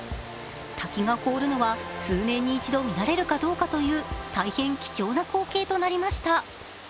滝が凍るのは数年に一度見られるかどうかという大変貴重な光景となりました。